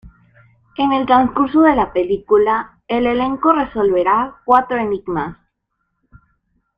En el transcurso de la película, el elenco resolverá cuatro enigmas.